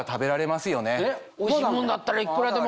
おいしいもんだったらいくらでも。